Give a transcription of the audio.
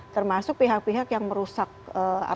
termasuk pihak pihak yang merusak proses umum